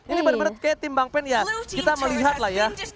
ini benar benar kayak tim bang pen ya kita melihat lah ya